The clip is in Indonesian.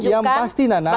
nah yang pasti nanak